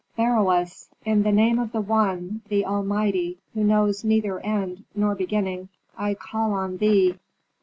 Beroes! in the name of the One, the Almighty, who knows neither end nor beginning, I call on thee."